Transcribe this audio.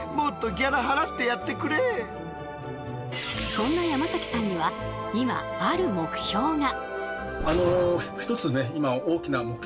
そんな山崎さんには今ある目標が。